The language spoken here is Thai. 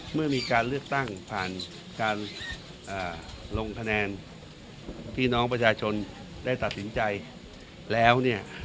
เมื่อมีการเลือกตั้งผ่านการลงคะแนนพี่น้องประชาชนได้ตัดสินใจแล้วเนี่ย